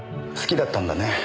好きだったんだね